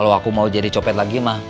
tunggu aku mau cari pinjeman yang mana mana